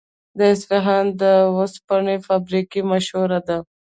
د اصفهان د وسپنې فابریکه مشهوره ده.